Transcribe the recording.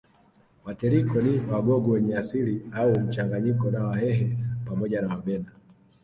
Wetiliko ni Wagogo wenye asili au mchanganyiko na Wahehe pamoja na Wabena